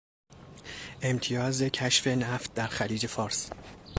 امتیاز کشف نفت در خلیج فارس